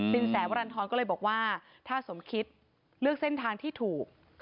แสวรรณฑรก็เลยบอกว่าถ้าสมคิดเลือกเส้นทางที่ถูก